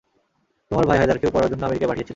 তোমার ভাই হায়দারকেও পড়ার জন্যে আমেরিকায় পাঠিয়েছিলাম।